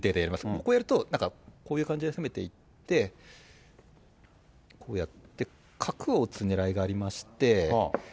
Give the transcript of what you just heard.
こうやると、こういう感じで攻めていって、こうやって、角を打つ狙いがありまして。